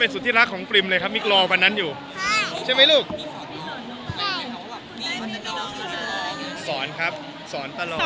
เพราะว่ายังไงเป็นความมีปัญหาต่อมาแล้วเหมือนกันนะคะ